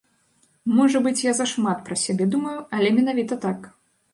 Можа быць, я зашмат пра сябе думаю, але менавіта так.